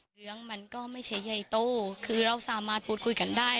เรื่องมันก็ไม่ใช่ใหญ่โตคือเราสามารถพูดคุยกันได้